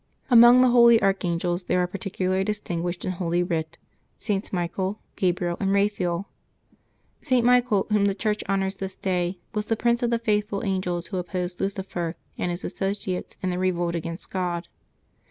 Among the holy archangels, there are particularly distinguished in Holy Writ Sts. Michael, Gabriel, and Eaphael. St. Michael, whom the Church honors this day, was the prince of the faithful angels who opposed Lucifer and his associates in their revolt against God.